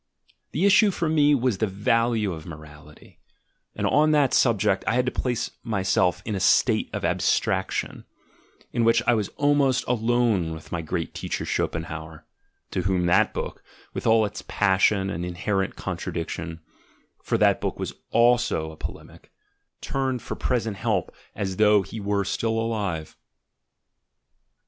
The issue for me was the value of morality, and on that subject I had to place myself PREFACE Vll in a state of abstraction, in which I was almost alone with my great teacher Schopenhauer, to whom that book, with all its passion and inherent contradiction (for that book also was a polemic), turned for present help as though he were still alive.